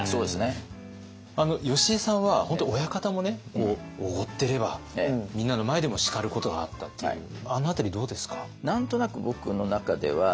よしえさんは本当親方もおごってればみんなの前でも叱ることがあったっていうあの辺りどうですか？